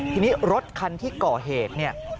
ทีนี้รถคันที่ก่อเหตุเนี่ย